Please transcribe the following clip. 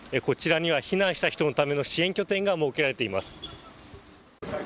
こちらには避難した人のための支援拠点が設けられています。